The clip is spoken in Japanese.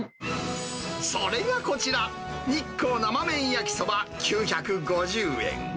それがこちら、日光生麺焼きそば９５０円。